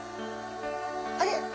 あれ？